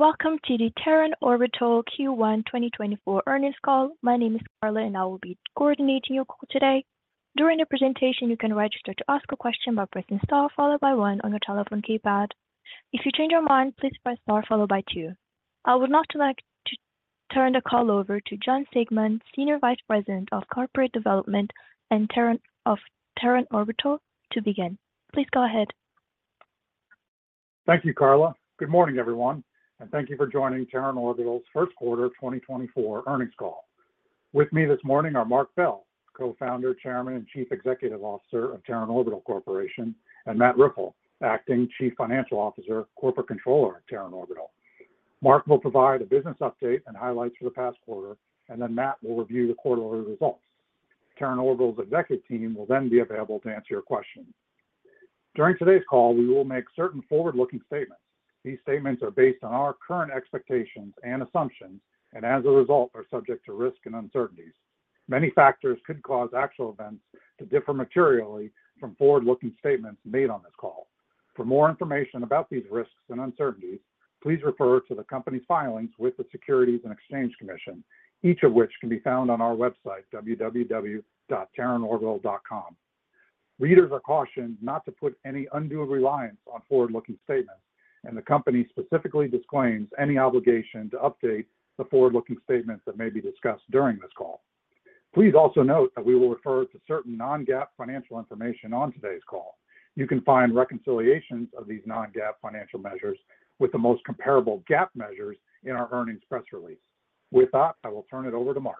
Welcome to the Terran Orbital Q1 2024 Earnings Call. My name is Carla, and I will be coordinating your call today. During the presentation, you can register to ask a question by pressing star, followed by one on your telephone keypad. If you change your mind, please press star, followed by two. I would now like to turn the call over to Jon Siegmann, Senior Vice President of Corporate Development at Terran Orbital, to begin. Please go ahead. Thank you, Carla. Good morning, everyone, and thank you for joining Terran Orbital's first quarter 2024 earnings call. With me this morning are Marc Bell, Co-Founder, Chairman, and Chief Executive Officer of Terran Orbital Corporation, and Matt Riffel, Acting Chief Financial Officer, Corporate Controller at Terran Orbital. Marc will provide a business update and highlights for the past quarter, and then Matt will review the quarterly results. Terran Orbital's executive team will then be available to answer your questions. During today's call, we will make certain forward-looking statements. These statements are based on our current expectations and assumptions, and as a result, are subject to risk and uncertainties. Many factors could cause actual events to differ materially from forward-looking statements made on this call. For more information about these risks and uncertainties, please refer to the company's filings with the Securities and Exchange Commission, each of which can be found on our website, www.terranorbital.com. Readers are cautioned not to put any undue reliance on forward-looking statements, and the company specifically disclaims any obligation to update the forward-looking statements that may be discussed during this call. Please also note that we will refer to certain non-GAAP financial information on today's call. You can find reconciliations of these non-GAAP financial measures with the most comparable GAAP measures in our earnings press release. With that, I will turn it over to Marc.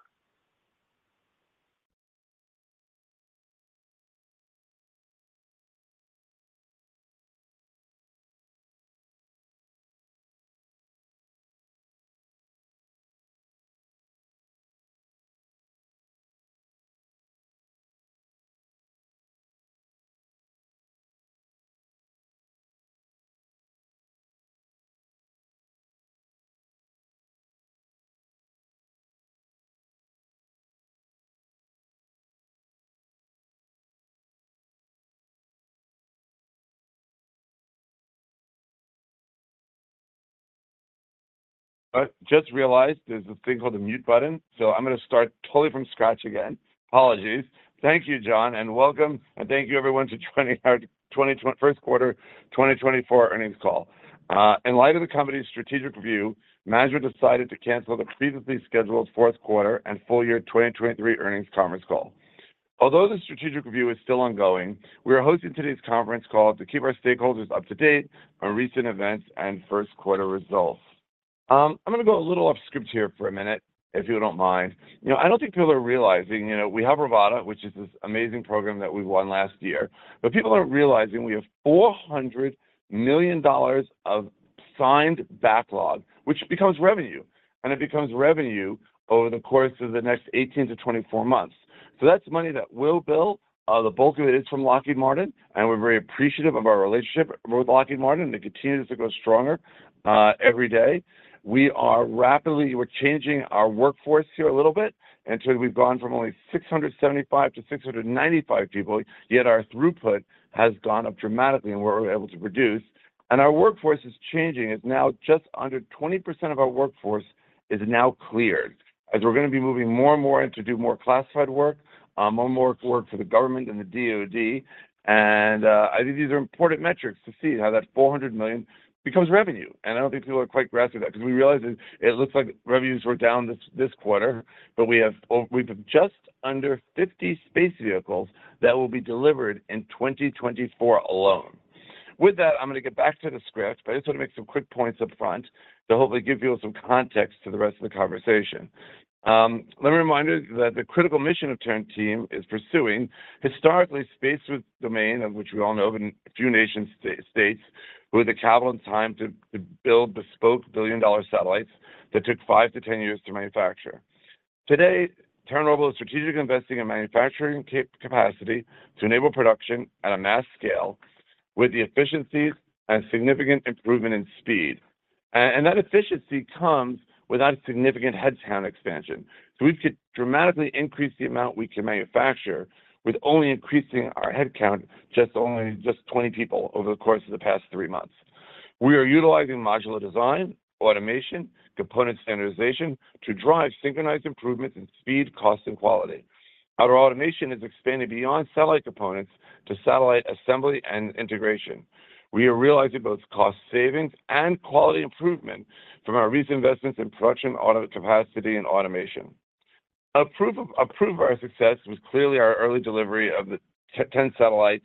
I just realized there's a thing called a mute button, so I'm going to start totally from scratch again. Apologies. Thank you, John, and welcome, and thank you, everyone, to joining our first quarter 2024 earnings call. In light of the company's strategic review, management decided to cancel the previously scheduled fourth quarter and full year 2023 earnings conference call. Although the strategic review is still ongoing, we are hosting today's conference call to keep our stakeholders up to date on recent events and first quarter results. I'm going to go a little off-script here for a minute, if you don't mind. I don't think people are realizing we have Rivada, which is this amazing program that we won last year, but people aren't realizing we have $400 million of signed backlog, which becomes revenue, and it becomes revenue over the course of the next 18 months-24 months. So that's money that we'll bill. The bulk of it is from Lockheed Martin, and we're very appreciative of our relationship with Lockheed Martin and the continuity to go stronger every day. We are rapidly changing our workforce here a little bit. Until we've gone from only 675 to 695 people, yet our throughput has gone up dramatically in what we're able to produce. Our workforce is changing. It's now just under 20% of our workforce is now cleared, as we're going to be moving more and more into doing more classified work, more and more work for the government and the DoD. I think these are important metrics to see how that $400 million becomes revenue. I don't think people are quite grasping that because we realize it looks like revenues were down this quarter, but we have just under 50 space vehicles that will be delivered in 2024 alone. With that, I'm going to get back to the script, but I just want to make some quick points up front to hopefully give you some context to the rest of the conversation. Let me remind you that the critical mission of Terran team is pursuing historically space domain, of which we all know of in a few nations, states, with the cabal in time to build bespoke billion-dollar satellites that took 5 years-10 years to manufacture. Today, Terran Orbital is strategically investing in manufacturing capacity to enable production at a mass scale with the efficiencies and significant improvement in speed. That efficiency comes without significant headcount expansion. So we could dramatically increase the amount we can manufacture with only increasing our headcount just 20 people over the course of the past three months. We are utilizing modular design, automation, component standardization, to drive synchronized improvements in speed, cost, and quality. Our automation is expanding beyond satellite components to satellite assembly and integration. We are realizing both cost savings and quality improvement from our recent investments in production capacity and automation. A proof of our success was clearly our early delivery of the 10 satellites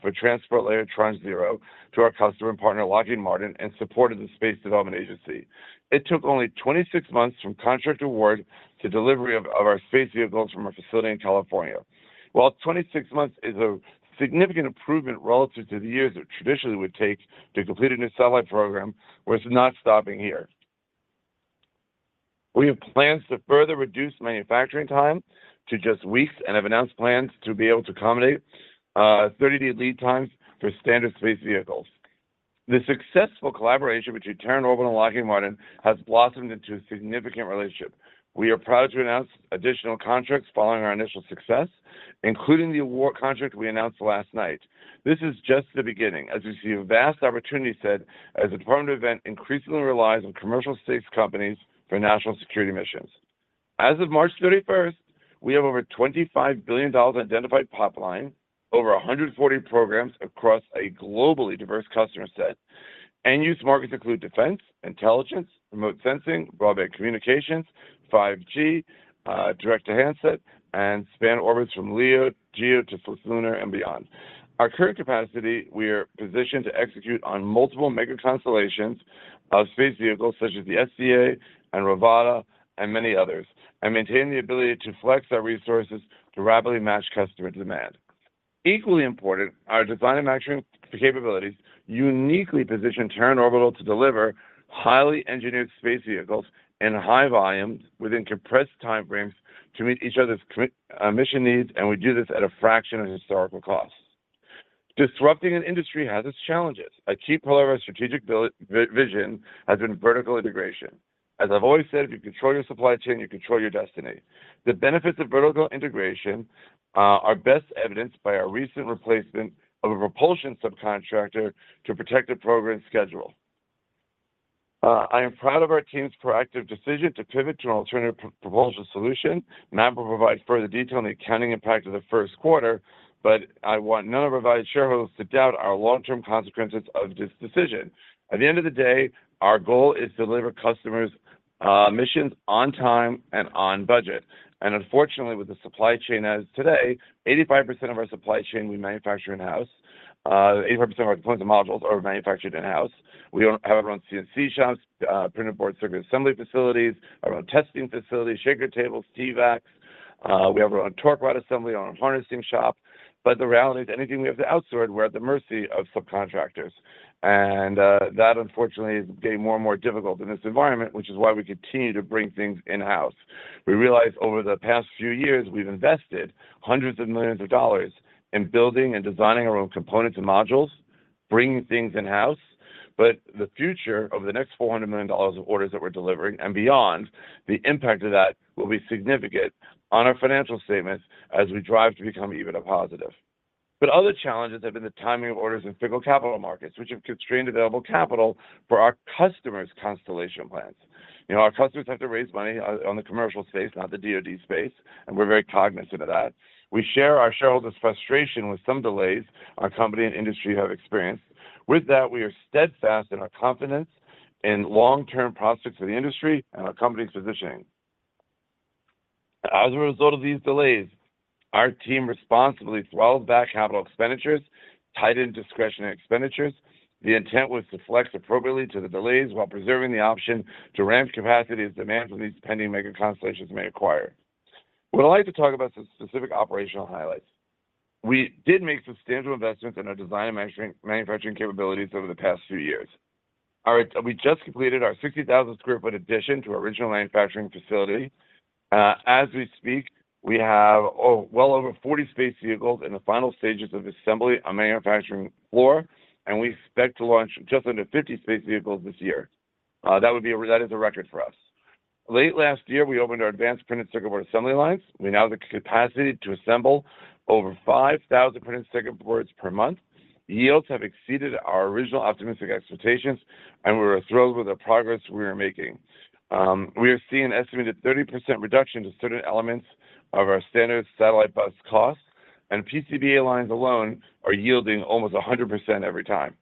for Transport Layer Tranche 0 to our customer and partner, Lockheed Martin, and support of the Space Development Agency. It took only 26 months from contract award to delivery of our space vehicles from our facility in California. While 26 months is a significant improvement relative to the years it traditionally would take to complete a new satellite program, we're not stopping here. We have plans to further reduce manufacturing time to just weeks and have announced plans to be able to accommodate 30-day lead times for standard space vehicles. The successful collaboration between Terran Orbital and Lockheed Martin has blossomed into a significant relationship. We are proud to announce additional contracts following our initial success, including the award contract we announced last night. This is just the beginning, as we see a vast opportunity set as the Department of Defense increasingly relies on commercial space companies for national security missions. As of March 31st, we have over $25 billion identified pipeline, over 140 programs across a globally diverse customer set. End-use markets include defense, intelligence, remote sensing, broadband communications, 5G, direct-to-handset, and span orbits from GEO to lunar and beyond. Our current capacity, we are positioned to execute on multiple mega-constellations of space vehicles such as the SDA and Rivada and many others, and maintain the ability to flex our resources to rapidly match customer demand. Equally important, our design and capabilities uniquely position Terran Orbital to deliver highly engineered space vehicles in high volume within compressed time frames to meet each other's mission needs, and we do this at a fraction of historical costs. Disrupting an industry has its challenges. A key pillar of our strategic vision has been vertical integration. As I've always said, if you control your supply chain, you control your destiny. The benefits of vertical integration are best evidenced by our recent replacement of a propulsion subcontractor to protect the program schedule. I am proud of our team's proactive decision to pivot to an alternative propulsion solution. Matt will provide further detail on the accounting impact of the first quarter, but I want none of our valued shareholders to doubt our long-term consequences of this decision. At the end of the day, our goal is to deliver customers' missions on time and on budget. And unfortunately, with the supply chain as today, 85% of our supply chain we manufacture in-house. 85% of our components and modules are manufactured in-house. We have our own CNC shops, printed circuit board assembly facilities, our own testing facility, shaker tables, TVACs. We have our own torque rod assembly in our harness shop. But the reality is anything we have to outsource we're at the mercy of subcontractors. And that, unfortunately, is getting more and more difficult in this environment, which is why we continue to bring things in-house. We realize over the past few years, we've invested hundreds of millions of dollars in building and designing our own components and modules, bringing things in-house. But the future, over the next $400 million of orders that we're delivering and beyond, the impact of that will be significant on our financial statements as we drive to become even a positive. But other challenges have been the timing of orders in fickle capital markets, which have constrained available capital for our customers' constellation plans. Our customers have to raise money on the commercial space, not the DoD space, and we're very cognizant of that. We share our shareholders' frustration with some delays our company and industry have experienced. With that, we are steadfast in our confidence in long-term prospects for the industry and our company's positioning. As a result of these delays, our team responsibly throttled back capital expenditures, tightened discretionary expenditures. The intent was to flex appropriately to the delays while preserving the option to ramp capacity as demand from these pending mega-constellations may require. What I'd like to talk about is specific operational highlights. We did make substantial investments in our design and manufacturing capabilities over the past few years. We just completed our 60,000 sq ft addition to our original manufacturing facility. As we speak, we have well over 40 space vehicles in the final stages of assembly on the manufacturing floor, and we expect to launch just under 50 space vehicles this year. That is a record for us. Late last year, we opened our advanced printed circuit board assembly lines. We now have the capacity to assemble over 5,000 printed circuit boards per month. Yields have exceeded our original optimistic expectations, and we were thrilled with the progress we were making. We are seeing an estimated 30% reduction to certain elements of our standard satellite bus costs, and PCBA lines alone are yielding almost 100% every time.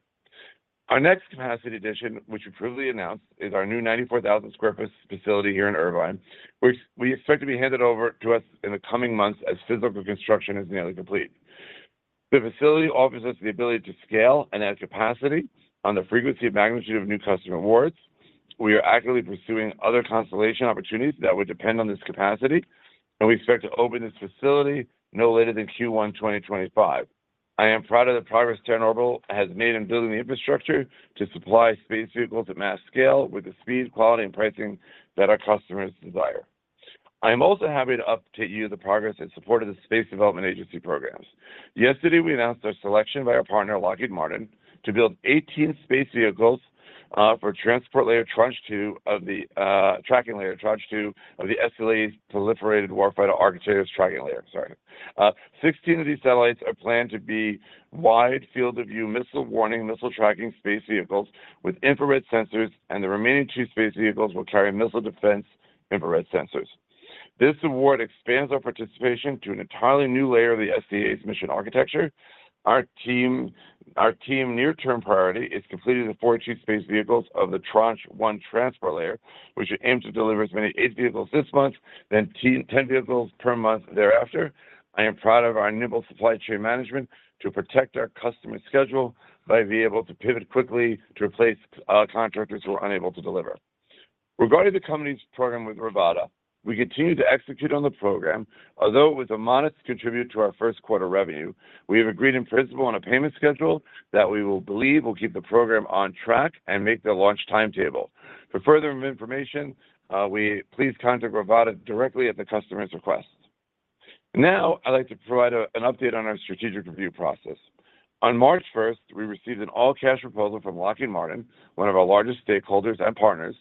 Our next capacity addition, which we prudently announced, is our new 94,000 sq ft facility here in Irvine, which we expect to be handed over to us in the coming months as physical construction is nearly complete. The facility offers us the ability to scale and add capacity on the frequency and magnitude of new customer awards. We are actively pursuing other constellation opportunities that would depend on this capacity, and we expect to open this facility no later than Q1 2025. I am proud of the progress Terran Orbital has made in building the infrastructure to supply space vehicles at mass scale with the speed, quality, and pricing that our customers desire. I am also happy to update you the progress in support of the Space Development Agency programs. Yesterday, we announced our selection by our partner, Lockheed Martin, to build 18 space vehicles for Transport Layer Tranche 2 of Tracking Layer tranche 2 of the SDA's proliferated warfighter Tracking Layer. sorry. 16 of these satellites are planned to be wide field of view missile warning, missile tracking space vehicles with infrared sensors, and the remaining two space vehicles will carry missile defense infrared sensors. This award expands our participation to an entirely new layer of the SDA's mission architecture. Our team's near-term priority is completing the 42 space vehicles of the Tranche 1 Transport Layer, which aims to deliver as many as 8 vehicles this month, then 10 vehicles per month thereafter. I am proud of our nimble supply chain management to protect our customer schedule by being able to pivot quickly to replace contractors who were unable to deliver. Regarding the company's program with Rivada, we continue to execute on the program, although it was a modest contribution to our first quarter revenue. We have agreed in principle on a payment schedule that we believe will keep the program on track and meet the launch timetable. For further information, please contact Rivada directly at the customer's request. Now, I'd like to provide an update on our strategic review process. On March 1st, we received an all-cash proposal from Lockheed Martin, one of our largest stakeholders and partners,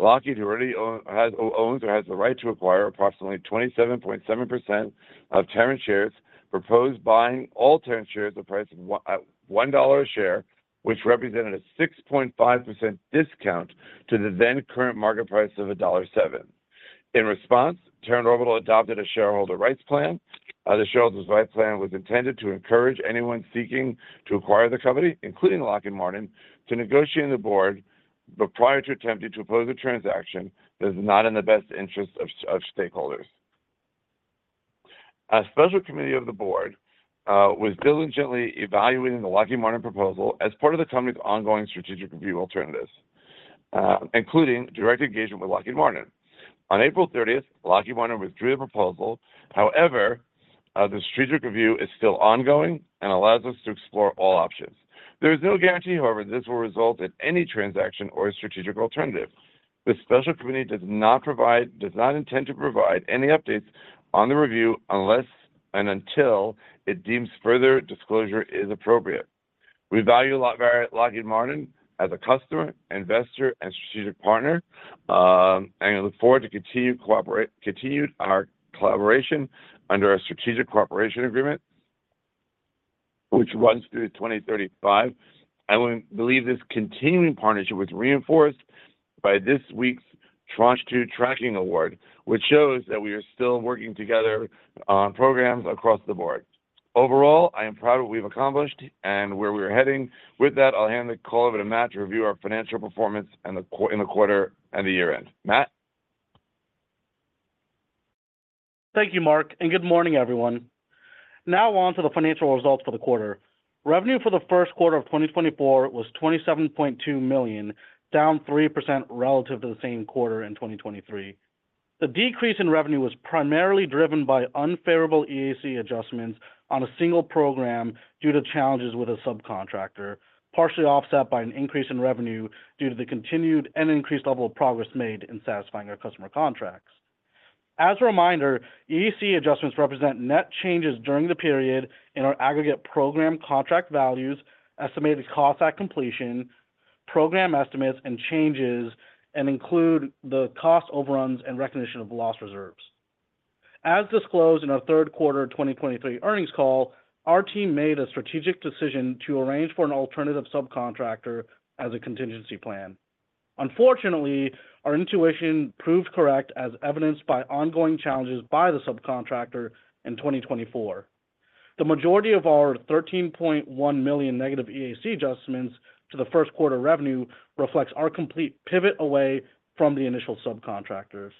Lockheed, who already owns or has the right to acquire approximately 27.7% of Terran shares, proposed buying all Terran shares at a price of $1 a share, which represented a 6.5% discount to the then-current market price of $1.07. In response, Terran Orbital adopted a shareholder rights plan. The shareholders' rights plan was intended to encourage anyone seeking to acquire the company, including Lockheed Martin, to negotiate in the board, but prior to attempting to oppose a transaction, that is not in the best interest of stakeholders. A special committee of the board was diligently evaluating the Lockheed Martin proposal as part of the company's ongoing strategic review alternatives, including direct engagement with Lockheed Martin. On April 30th, Lockheed Martin withdrew the proposal. However, the strategic review is still ongoing and allows us to explore all options. There is no guarantee, however, that this will result in any transaction or a strategic alternative. The special committee does not intend to provide any updates on the review unless and until it deems further disclosure is appropriate. We value Lockheed Martin as a customer, investor, and strategic partner, and look forward to continued our collaboration under our strategic cooperation agreement, which runs through 2035. We believe this continuing partnership was reinforced by this week's Tranche 2 tracking award, which shows that we are still working together on programs across the board. Overall, I am proud of what we've accomplished and where we're heading. With that, I'll hand the call over to Matt to review our financial performance in the quarter and the year-end. Matt? Thank you, Marc, and good morning, everyone. Now on to the financial results for the quarter. Revenue for the first quarter of 2024 was $27.2 million, down 3% relative to the same quarter in 2023. The decrease in revenue was primarily driven by unfavorable EAC adjustments on a single program due to challenges with a subcontractor, partially offset by an increase in revenue due to the continued and increased level of progress made in satisfying our customer contracts. As a reminder, EAC adjustments represent net changes during the period in our aggregate program contract values, estimated costs at completion, program estimates and changes, and include the cost overruns and recognition of lost reserves. As disclosed in our third quarter 2023 earnings call, our team made a strategic decision to arrange for an alternative subcontractor as a contingency plan. Unfortunately, our intuition proved correct as evidenced by ongoing challenges by the subcontractor in 2024. The majority of our $13.1 million negative EAC adjustments to the first quarter revenue reflects our complete pivot away from the initial subcontractors.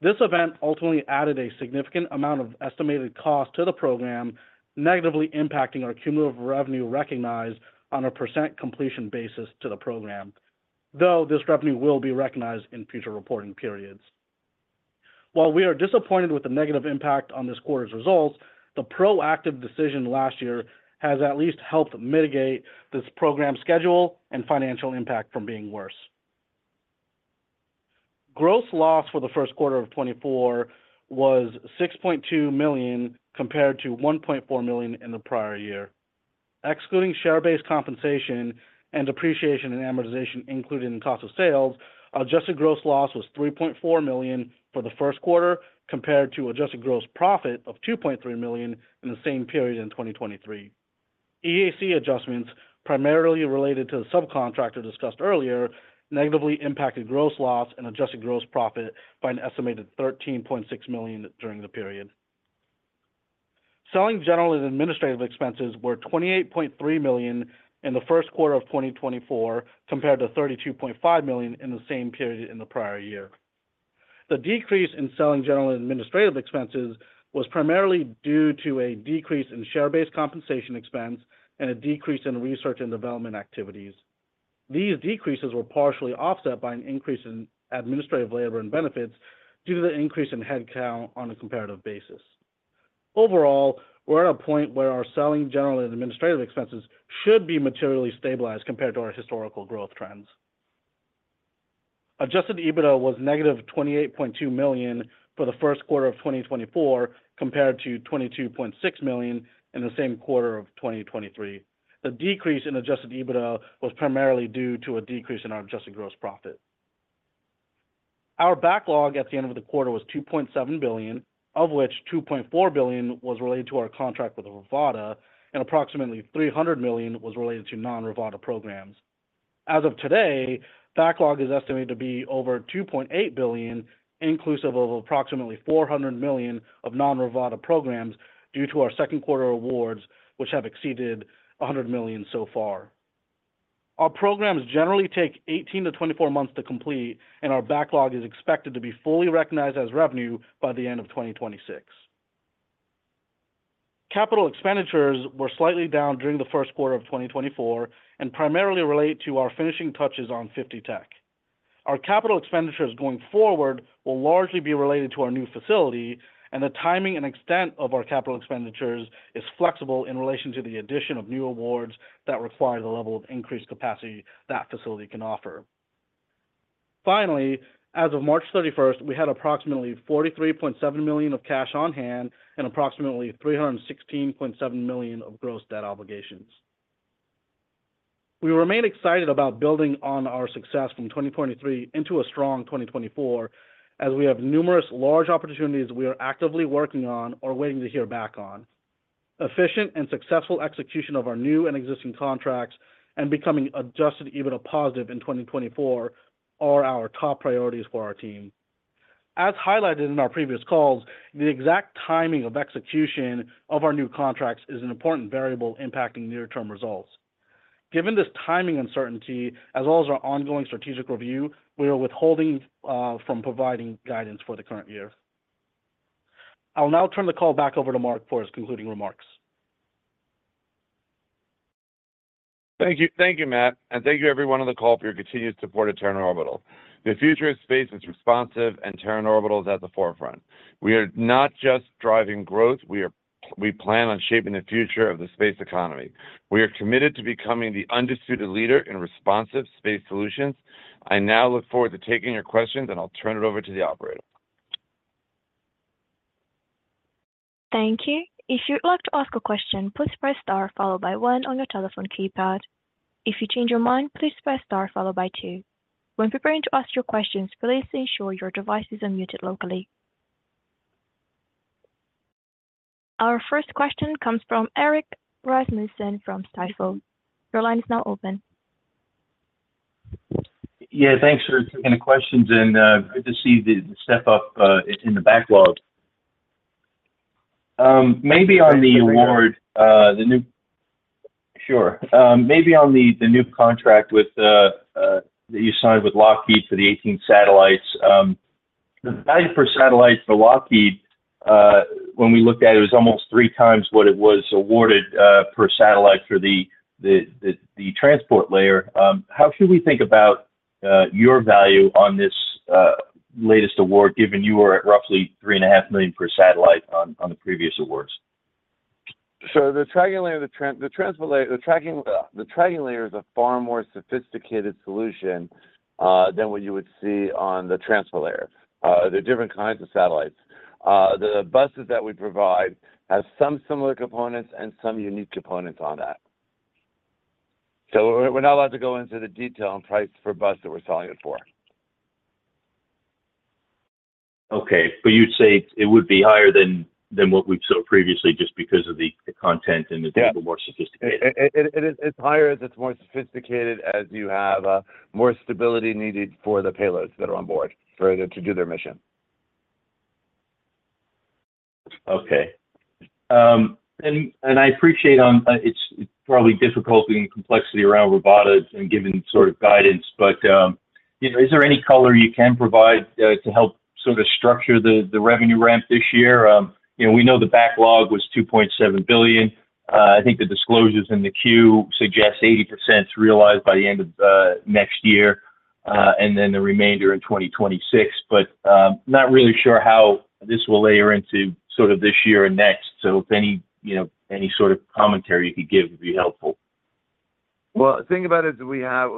This event ultimately added a significant amount of estimated cost to the program, negatively impacting our cumulative revenue recognized on a percent completion basis to the program. Though this revenue will be recognized in future reporting periods. While we are disappointed with the negative impact on this quarter's results, the proactive decision last year has at least helped mitigate this program schedule and financial impact from being worse. Gross loss for the first quarter of 2024 was $6.2 million compared to $1.4 million in the prior year. Excluding share-based compensation and depreciation and amortization included in cost of sales, adjusted gross loss was $3.4 million for the first quarter compared to adjusted gross profit of $2.3 million in the same period in 2023. EAC adjustments, primarily related to the subcontractor discussed earlier, negatively impacted gross loss and adjusted gross profit by an estimated $13.6 million during the period. Selling general and administrative expenses were $28.3 million in the first quarter of 2024 compared to $32.5 million in the same period in the prior year. The decrease in selling general and administrative expenses was primarily due to a decrease in share-based compensation expense and a decrease in research and development activities. These decreases were partially offset by an increase in administrative labor and benefits due to the increase in headcount on a comparative basis. Overall, we're at a point where our selling general and administrative expenses should be materially stabilized compared to our historical growth trends. Adjusted EBITDA was -$28.2 million for the first quarter of 2024 compared to $22.6 million in the same quarter of 2023. The decrease in adjusted EBITDA was primarily due to a decrease in our adjusted gross profit. Our backlog at the end of the quarter was $2.7 billion, of which $2.4 billion was related to our contract with Rivada, and approximately $300 million was related to non-Rivada programs. As of today, backlog is estimated to be over $2.8 billion, inclusive of approximately $400 million of non-Rivada programs due to our second quarter awards, which have exceeded $100 million so far. Our programs generally take 18 months-24 months to complete, and our backlog is expected to be fully recognized as revenue by the end of 2026. Capital expenditures were slightly down during the first quarter of 2024 and primarily relate to our finishing touches on 50 Tech. Our capital expenditures going forward will largely be related to our new facility, and the timing and extent of our capital expenditures is flexible in relation to the addition of new awards that require the level of increased capacity that facility can offer. Finally, as of March 31st, we had approximately $43.7 million of cash on hand and approximately $316.7 million of gross debt obligations. We remain excited about building on our success from 2023 into a strong 2024, as we have numerous large opportunities we are actively working on or waiting to hear back on. Efficient and successful execution of our new and existing contracts and becoming Adjusted EBITDA positive in 2024 are our top priorities for our team. As highlighted in our previous calls, the exact timing of execution of our new contracts is an important variable impacting near-term results. Given this timing uncertainty, as well as our ongoing strategic review, we are withholding from providing guidance for the current year. I'll now turn the call back over to Marc for his concluding remarks. Thank you. Thank you, Matt. Thank you, everyone on the call, for your continued support of Terran Orbital. The future of space is responsive, and Terran Orbital is at the forefront. We are not just driving growth. We plan on shaping the future of the space economy. We are committed to becoming the undisputed leader in responsive space solutions. I now look forward to taking your questions, and I'll turn it over to the operator. Thank you. If you'd like to ask a question, please press star followed by one on your telephone keypad. If you change your mind, please press star followed by two. When preparing to ask your questions, please ensure your device is unmuted locally. Our first question comes from Erik Rasmussen from Stifel. Your line is now open. Yeah, thanks for taking the questions, and good to see the step up in the backlog. Maybe on the new award. Maybe on the new contract that you signed with Lockheed for the 18 satellites. The value per satellite for Lockheed, when we looked at it, was almost three times what it was awarded per satellite for the Transport Layer. How should we think about your value on this latest award, given you were at roughly $3.5 million per satellite on the previous awards? So Tracking Layer of the Transport Layer, Tracking Layer is a far more sophisticated solution than what you would see on the Transport Layer. There are different kinds of satellites. The buses that we provide have some similar components and some unique components on that. So we're not allowed to go into the detail and price for bus that we're selling it for. Okay, but you'd say it would be higher than what we've sold previously just because of the content and it's a little more sophisticated? It's higher as it's more sophisticated, as you have more stability needed for the payloads that are on board to do their mission. Okay. And I appreciate it's probably difficult given the complexity around Rivada and given sort of guidance, but is there any color you can provide to help sort of structure the revenue ramp this year? We know the backlog was $2.7 billion. I think the disclosures in the 10-Q suggest 80% realized by the end of next year and then the remainder in 2026, but not really sure how this will layer into sort of this year and next. So if any sort of commentary you could give would be helpful. Well, think about it. We have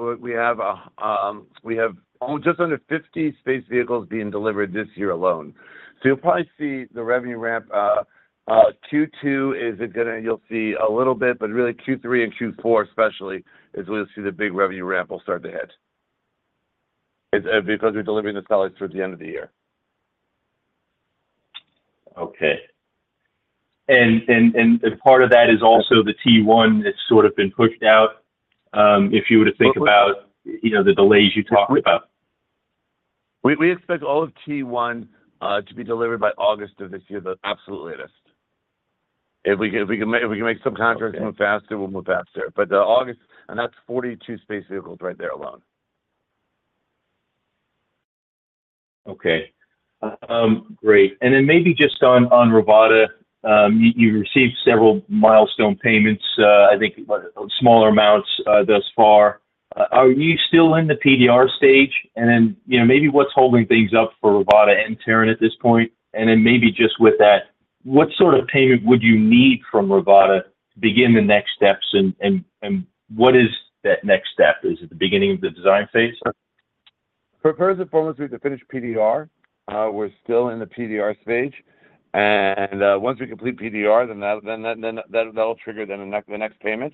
just under 50 space vehicles being delivered this year alone. So you'll probably see the revenue ramp. Q2 is going to, you'll see a little bit, but really Q3 and Q4 especially is when you'll see the big revenue ramp will start to hit because we're delivering the satellites through the end of the year. Okay. And part of that is also the T1 that's sort of been pushed out if you were to think about the delays you talked about. We expect all of T1 to be delivered by August of this year, the absolute latest. If we can make some contracts move faster, we'll move faster. But August, and that's 42 space vehicles right there alone. Okay. Great. And then maybe just on Rivada, you received several milestone payments, I think smaller amounts thus far. Are you still in the PDR stage? And then maybe what's holding things up for Rivada and Terran at this point? And then maybe just with that, what sort of payment would you need from Rivada to begin the next steps? And what is that next step? Is it the beginning of the design phase? For the first and foremost, we've defined PDR. We're still in the PDR stage. Once we complete PDR, then that'll trigger the next payment.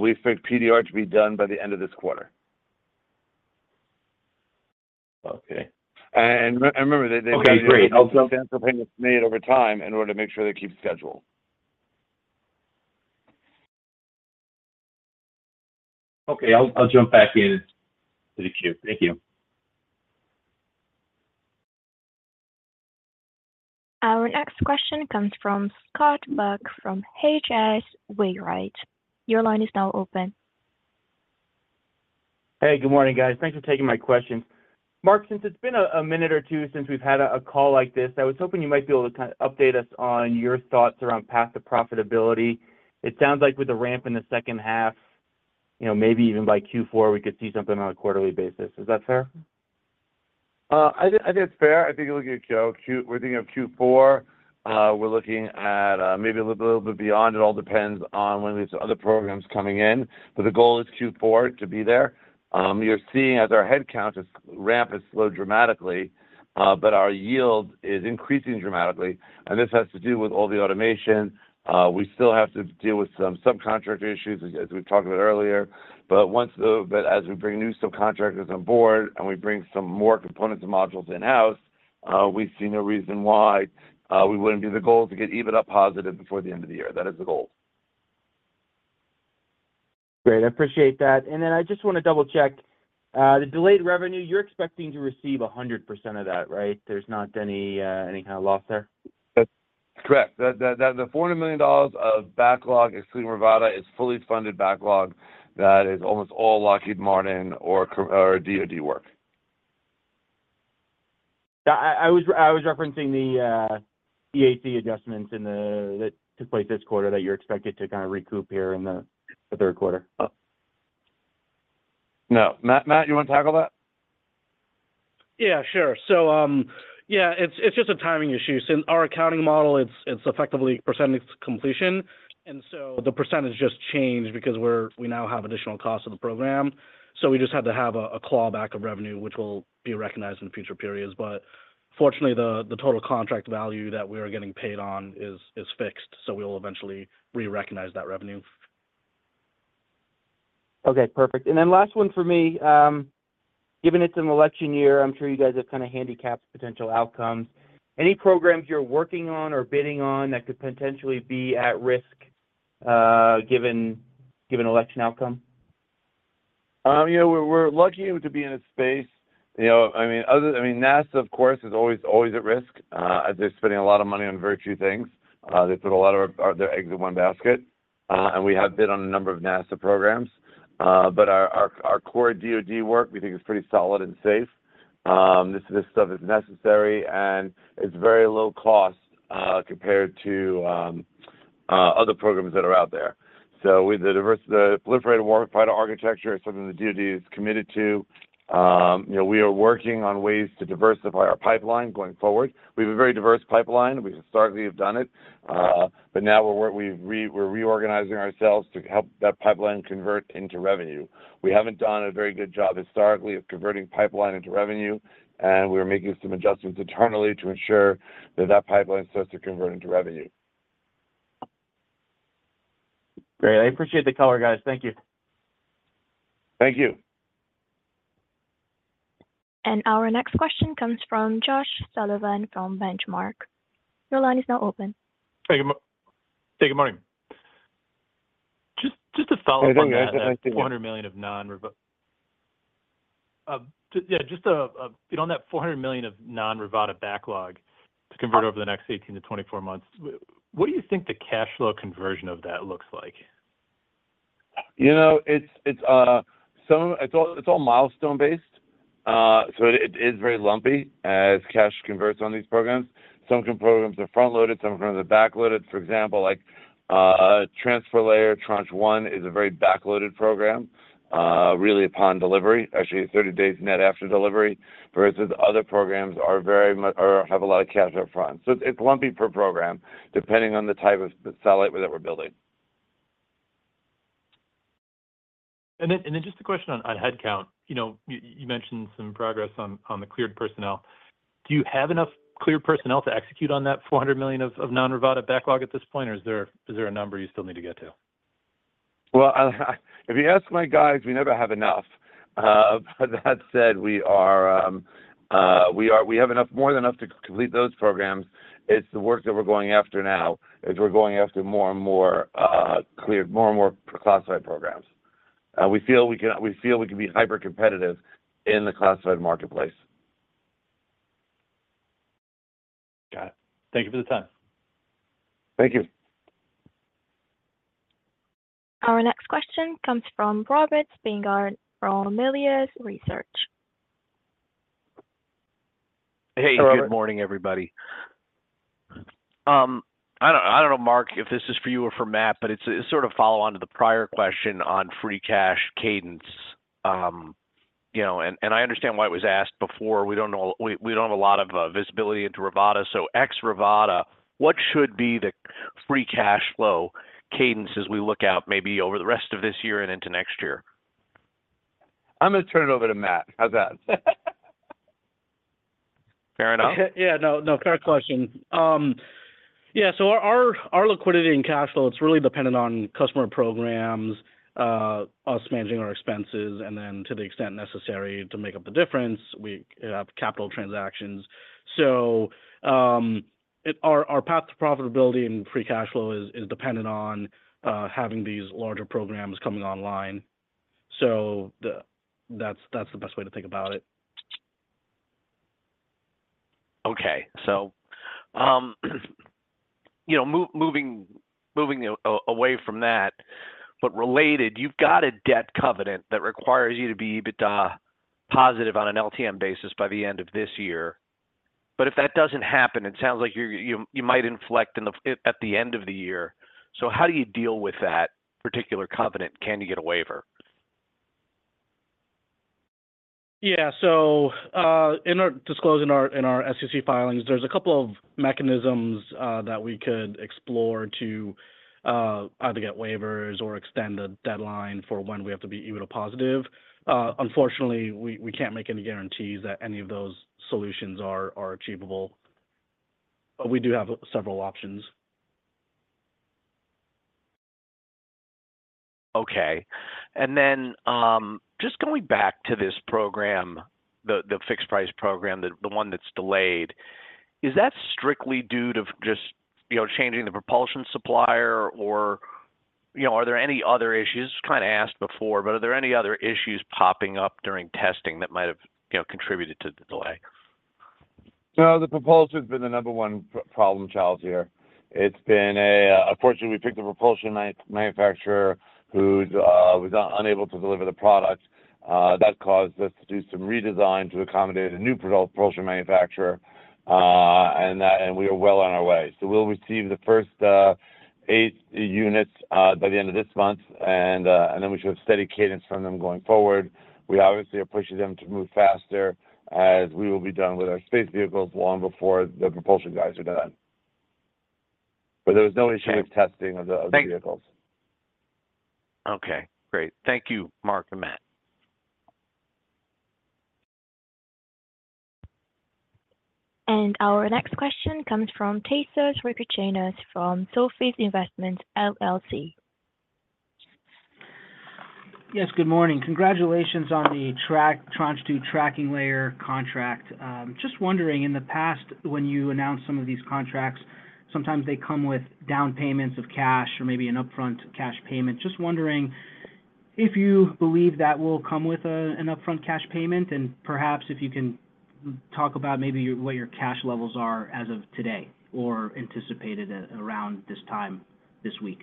We expect PDR to be done by the end of this quarter. Okay. Remember, they've got to be able to transfer payments made over time in order to make sure they keep schedule. Okay. I'll jump back into the queue. Thank you. Our next question comes from Scott Buck from H.C. Wainwright. Your line is now open. Hey, good morning, guys. Thanks for taking my questions. Marc, since it's been a minute or two since we've had a call like this, I was hoping you might be able to kind of update us on your thoughts around path to profitability. It sounds like with the ramp in the second half, maybe even by Q4, we could see something on a quarterly basis. Is that fair? I think it's fair. I think it'll get cute. We're thinking of Q4. We're looking at maybe a little bit beyond. It all depends on when we have some other programs coming in. But the goal is Q4 to be there. You're seeing as our headcount ramp has slowed dramatically, but our yield is increasing dramatically. And this has to do with all the automation. We still have to deal with some subcontractor issues, as we've talked about earlier. But as we bring new subcontractors on board and we bring some more components and modules in-house, we see no reason why we wouldn't be the goal to get EBITDA positive before the end of the year. That is the goal. Great. I appreciate that. And then I just want to double-check. The delayed revenue, you're expecting to receive 100% of that, right? There's not any kind of loss there? Correct. The $400 million of backlog excluding Rivada is fully funded backlog that is almost all Lockheed Martin or DoD work. I was referencing the EAC adjustments that took place this quarter that you're expected to kind of recoup here in the third quarter. No. Matt, you want to tackle that? Yeah, sure. Yeah, it's just a timing issue. Since our accounting model, it's effectively percentage completion. The percentage just changed because we now have additional costs of the program. We just had to have a clawback of revenue, which will be recognized in future periods. Fortunately, the total contract value that we are getting paid on is fixed. We will eventually re-recognize that revenue. Okay. Perfect. And then last one for me. Given it's an election year, I'm sure you guys have kind of handicapped potential outcomes. Any programs you're working on or bidding on that could potentially be at risk given election outcome? We're lucky to be in a space. I mean, NASA, of course, is always at risk as they're spending a lot of money on very few things. They put a lot of their eggs in one basket. And we have bid on a number of NASA programs. But our core DoD work, we think, is pretty solid and safe. This stuff is necessary, and it's very low cost compared to other programs that are out there. So the Proliferated Warfighter Space Architecture is something the DoD is committed to. We are working on ways to diversify our pipeline going forward. We have a very diverse pipeline. We historically have done it. But now we're reorganizing ourselves to help that pipeline convert into revenue. We haven't done a very good job historically of converting pipeline into revenue. We're making some adjustments internally to ensure that that pipeline starts to convert into revenue. Great. I appreciate the color, guys. Thank you. Thank you. Our next question comes from Josh Sullivan from Benchmark. Your line is now open. Hey, good morning. Just a follow-up on that $400 million of non-Rivada backlog to convert over the next 18 months-24 months, what do you think the cash flow conversion of that looks like? It's all milestone-based. So it is very lumpy as cash converts on these programs. Some programs are front-loaded. Some programs are back-loaded. For example, Transport Layer Tranche 1 is a very back-loaded program, really upon delivery, actually 30 days net after delivery, versus other programs that have a lot of cash upfront. So it's lumpy per program depending on the type of satellite that we're building. Then just a question on headcount. You mentioned some progress on the cleared personnel. Do you have enough cleared personnel to execute on that $400 million of non-Rivada backlog at this point, or is there a number you still need to get to? Well, if you ask my guys, we never have enough. But that said, we have more than enough to complete those programs. It's the work that we're going after now is we're going after more and more cleared, more and more classified programs. We feel we can be hyper-competitive in the classified marketplace. Got it. Thank you for the time. Thank you. Our next question comes from Robert Spingarn from Melius Research. Hey, good morning, everybody. I don't know, Mark, if this is for you or for Matt, but it's sort of a follow-on to the prior question on free cash cadence. I understand why it was asked before. We don't have a lot of visibility into Rivada. So ex-Rivada, what should be the free cash flow cadence as we look out maybe over the rest of this year and into next year? I'm going to turn it over to Matt. How's that? Fair enough. Yeah. No, fair question. Yeah. So our liquidity and cash flow, it's really dependent on customer programs, us managing our expenses, and then to the extent necessary to make up the difference, we have capital transactions. So our path to profitability and free cash flow is dependent on having these larger programs coming online. So that's the best way to think about it. Okay. So moving away from that, but related, you've got a debt covenant that requires you to be EBITDA positive on an LTM basis by the end of this year. But if that doesn't happen, it sounds like you might inflect at the end of the year. So how do you deal with that particular covenant? Can you get a waiver? Yeah. So in our disclosure in our SEC filings, there's a couple of mechanisms that we could explore to either get waivers or extend the deadline for when we have to be EBITDA positive. Unfortunately, we can't make any guarantees that any of those solutions are achievable. But we do have several options. Okay. Then just going back to this program, the fixed-price program, the one that's delayed, is that strictly due to just changing the propulsion supplier or are there any other issues? It's kind of asked before, but are there any other issues popping up during testing that might have contributed to the delay? No, the propulsion has been the number one problem child here. Unfortunately, we picked a propulsion manufacturer who was unable to deliver the product. That caused us to do some redesign to accommodate a new propulsion manufacturer. We are well on our way. We'll receive the first 8 units by the end of this month, and then we should have steady cadence from them going forward. We obviously are pushing them to move faster as we will be done with our space vehicles long before the propulsion guys are done. There was no issue with testing of the vehicles. Okay. Great. Thank you, Marc and Matt. Our next question comes from Tassos Recachinas from Sorfis Investments, LLC. Yes. Good morning. Congratulations on the Tranche Tracking Layer contract. Just wondering, in the past, when you announced some of these contracts, sometimes they come with down payments of cash or maybe an upfront cash payment. Just wondering if you believe that will come with an upfront cash payment and perhaps if you can talk about maybe what your cash levels are as of today or anticipated around this time this week.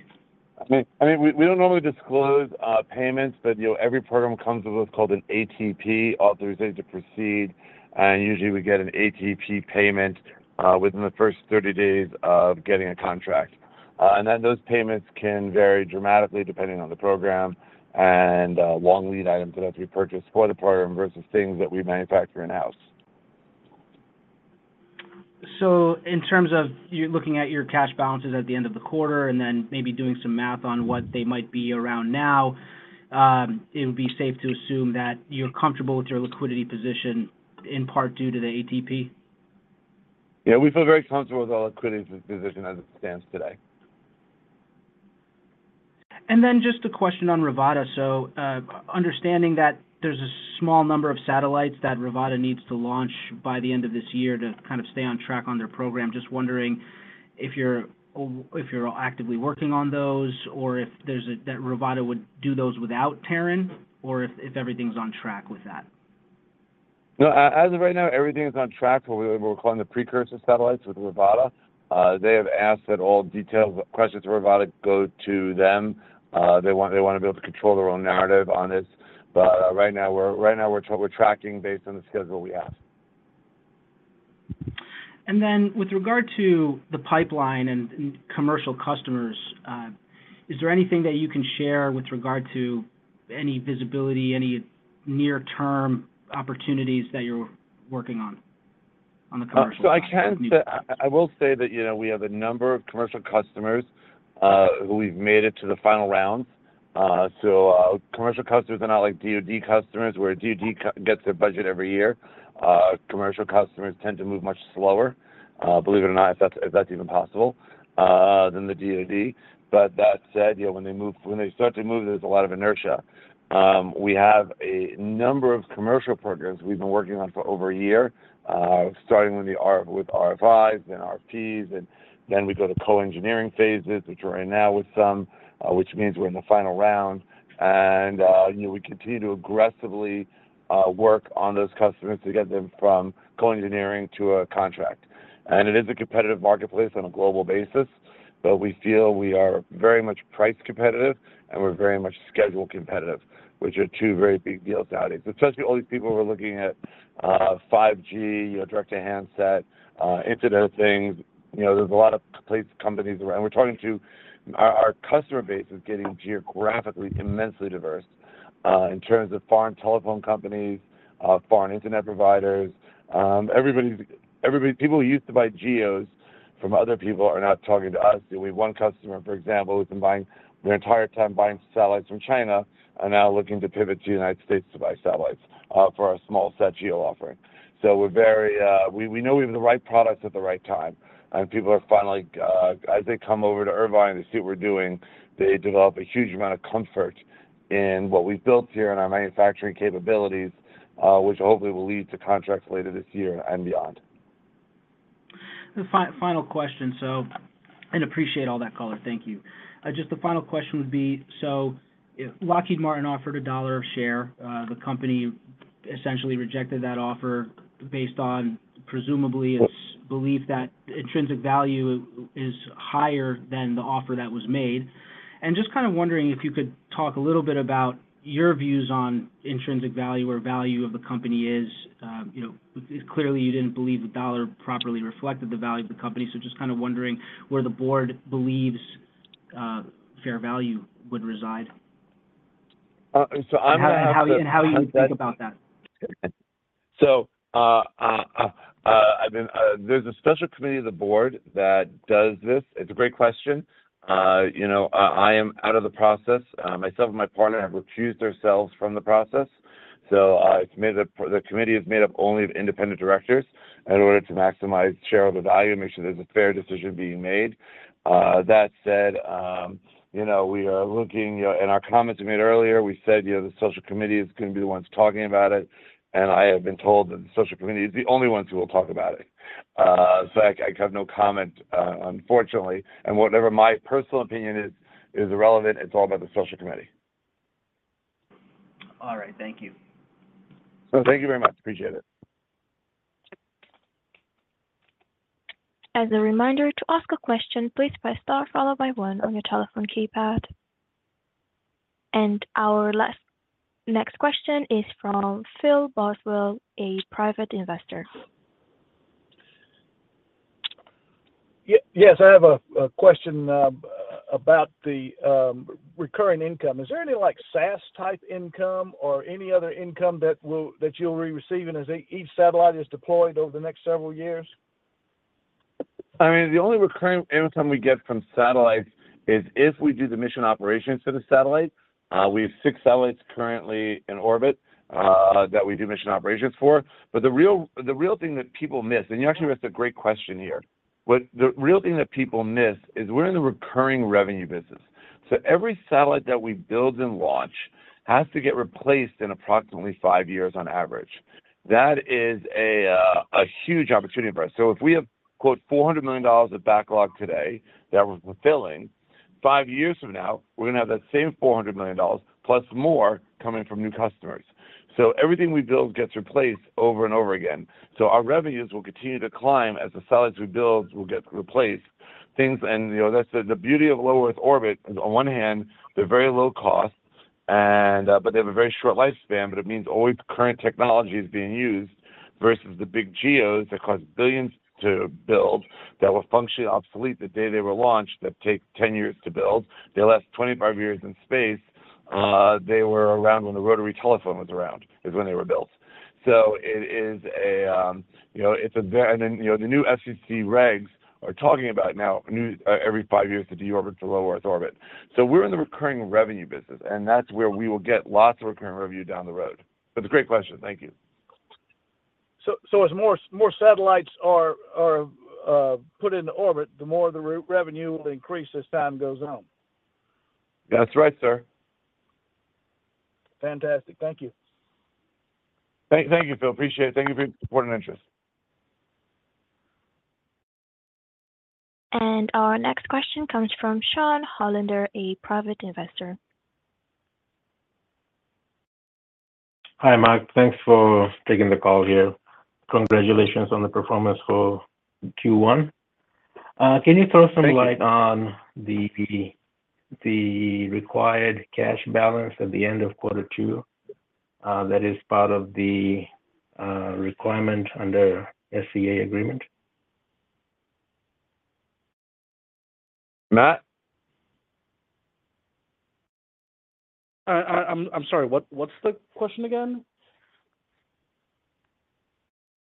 I mean, we don't normally disclose payments, but every program comes with what's called an ATP authorization to proceed. And usually, we get an ATP payment within the first 30 days of getting a contract. And then those payments can vary dramatically depending on the program and long lead items that have to be purchased for the program versus things that we manufacture in-house. So in terms of looking at your cash balances at the end of the quarter and then maybe doing some math on what they might be around now, it would be safe to assume that you're comfortable with your liquidity position in part due to the ATP? Yeah. We feel very comfortable with our liquidity position as it stands today. And then just a question on Rivada. So understanding that there's a small number of satellites that Rivada needs to launch by the end of this year to kind of stay on track on their program, just wondering if you're actively working on those or if Rivada would do those without Terran or if everything's on track with that. No. As of right now, everything is on track for what we're calling the precursor satellites with Rivada. They have asked that all detailed questions to Rivada go to them. They want to be able to control their own narrative on this. But right now, we're tracking based on the schedule we have. And then with regard to the pipeline and commercial customers, is there anything that you can share with regard to any visibility, any near-term opportunities that you're working on on the commercial customers? So I will say that we have a number of commercial customers who we've made it to the final rounds. So commercial customers are not like DoD customers where DoD gets their budget every year. Commercial customers tend to move much slower, believe it or not, if that's even possible, than the DoD. But that said, when they start to move, there's a lot of inertia. We have a number of commercial programs we've been working on for over a year, starting with RFIs and RFPs. And then we go to co-engineering phases, which we're in now with some, which means we're in the final round. And we continue to aggressively work on those customers to get them from co-engineering to a contract. It is a competitive marketplace on a global basis, but we feel we are very much price competitive, and we're very much schedule competitive, which are two very big deals nowadays, especially all these people who are looking at 5G, direct-to-handset, Internet of Things. There's a lot of companies around. And we're talking to our customer base is getting geographically immensely diverse in terms of foreign telephone companies, foreign internet providers. People who used to buy GEOs from other people are now talking to us. We have one customer, for example, who's been buying their entire time buying satellites from China and now looking to pivot to the United States to buy satellites for our SmallSat GEO offering. So we know we have the right products at the right time. People are finally, as they come over to Irvine and they see what we're doing, they develop a huge amount of comfort in what we've built here and our manufacturing capabilities, which hopefully will lead to contracts later this year and beyond. Final question. And appreciate all that color. Thank you. Just the final question would be, so Lockheed Martin offered $1 a share. The company essentially rejected that offer based on, presumably, its belief that intrinsic value is higher than the offer that was made. And just kind of wondering if you could talk a little bit about your views on intrinsic value or value of the company is. Clearly, you didn't believe the $1 properly reflected the value of the company. So just kind of wondering where the board believes fair value would reside. And how you would think about that. So there's a special committee of the board that does this. It's a great question. I am out of the process. Myself and my partner have recused ourselves from the process. So the committee is made up only of independent directors in order to maximize shareholder value and make sure there's a fair decision being made. That said, we are looking in our comments we made earlier, we said the special committee is going to be the ones talking about it. I have been told that the special committee is the only ones who will talk about it. So I have no comment, unfortunately. Whatever my personal opinion is irrelevant, it's all about the special committee. All right. Thank you. Thank you very much. Appreciate it. As a reminder, to ask a question, please press star followed by 1 on your telephone keypad. Our next question is from Phil Boswell, a private investor. Yes. I have a question about the recurring income. Is there any SaaS-type income or any other income that you'll be receiving as each satellite is deployed over the next several years? I mean, the only recurring income we get from satellites is if we do the mission operations for the satellites. We have six satellites currently in orbit that we do mission operations for. But the real thing that people miss and you actually asked a great question here. The real thing that people miss is we're in the recurring revenue business. So every satellite that we build and launch has to get replaced in approximately five years on average. That is a huge opportunity for us. So if we have $400 million of backlog today that we're fulfilling, five years from now, we're going to have that same $400 million plus more coming from new customers. So everything we build gets replaced over and over again. So our revenues will continue to climb as the satellites we build will get replaced. And that's the beauty of low Earth orbit. On one hand, they're very low cost, but they have a very short lifespan. But it means always current technology is being used versus the big GEOs that cost $billions to build that were functionally obsolete the day they were launched that take 10 years to build. They last 25 years in space. They were around when the rotary telephone was around is when they were built. So it is a, and then the new SEC regs are talking about now every 5 years to deorbit to Low Earth Orbit. So we're in the recurring revenue business, and that's where we will get lots of recurring revenue down the road. But it's a great question. Thank you. As more satellites are put into orbit, the more of the revenue will increase as time goes on? That's right, sir. Fantastic. Thank you. Thank you, Phil. Appreciate it. Thank you for your support and interest. Our next question comes from Sean Hollander, a private investor. Hi, Marc. Thanks for taking the call here. Congratulations on the performance for Q1. Can you throw some light on the required cash balance at the end of quarter two? That is part of the requirement under SCA agreement or Credit Agreement. Matt? I'm sorry. What's the question again?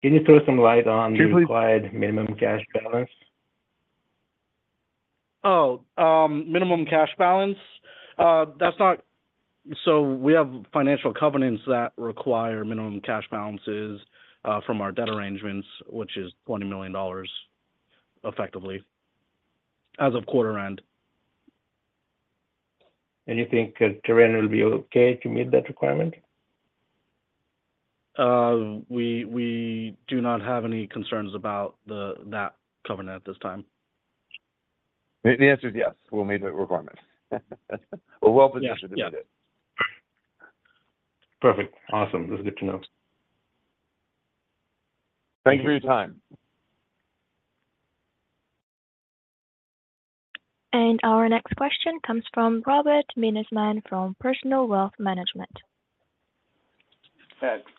Can you throw some light on the required minimum cash balance? Oh, minimum cash balance. So we have financial covenants that require minimum cash balances from our debt arrangements, which is $20 million effectively as of quarter end. You think Terran will be okay to meet that requirement? We do not have any concerns about that covenant at this time. The answer is yes. We'll meet the requirement. We're well positioned to meet it. Perfect. Awesome. That's good to know. Thank you for your time. Our next question comes from Robert Minisman from Personal Wealth Management.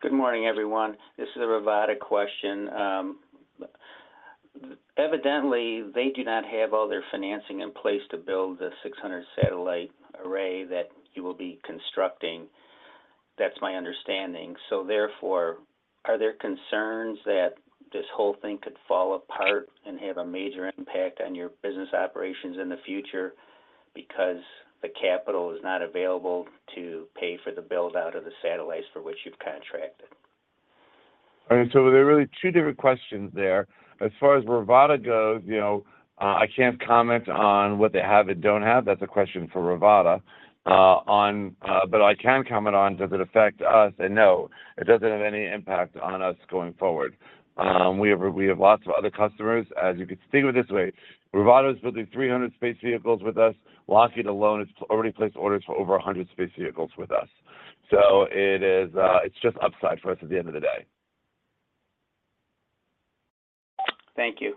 Good morning, everyone. This is a Rivada question. Evidently, they do not have all their financing in place to build the 600 satellite array that you will be constructing. That's my understanding. So therefore, are there concerns that this whole thing could fall apart and have a major impact on your business operations in the future because the capital is not available to pay for the build-out of the satellites for which you've contracted? All right. So there are really two different questions there. As far as Rivada goes, I can't comment on what they have and don't have. That's a question for Rivada. But I can comment on, does it affect us? And no, it doesn't have any impact on us going forward. We have lots of other customers. As you can think of it this way, Rivada is building 300 space vehicles with us. Lockheed alone has already placed orders for over 100 space vehicles with us. So it's just upside for us at the end of the day. Thank you.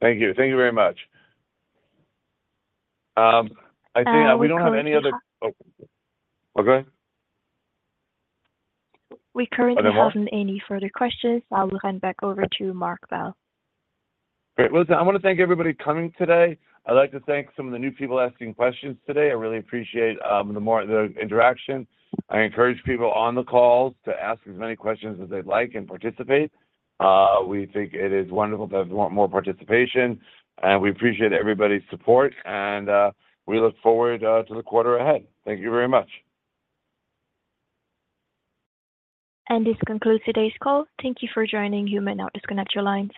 Thank you. Thank you very much. I think we don't have any other. Oh, go ahead. We currently haven't any further questions. I will hand back over to Marc Bell. Great. Well, listen, I want to thank everybody coming today. I'd like to thank some of the new people asking questions today. I really appreciate the interaction. I encourage people on the calls to ask as many questions as they'd like and participate. We think it is wonderful to have more participation. We appreciate everybody's support. We look forward to the quarter ahead. Thank you very much. This concludes today's call. Thank you for joining. You may now disconnect your line.